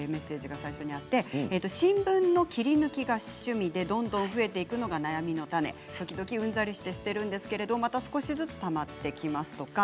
新聞の切り抜きが趣味でどんどん増えていくのが悩みの種時々うんざりして捨てるんですけどまた少しずつたまってきます。